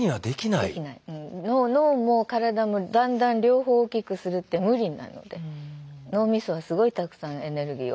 脳も体もだんだん両方大きくするって無理なので脳みそはすごいたくさんエネルギーを食うので。